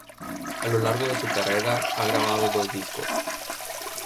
A lo largo de su carrera ha grabado dos discos.